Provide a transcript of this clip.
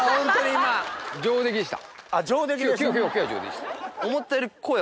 今日上出来でした。